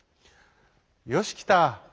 「よしきた。